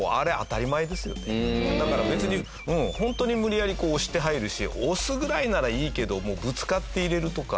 だから別にもうホントに無理やり押して入るし押すぐらいならいいけどもぶつかって入れるとか。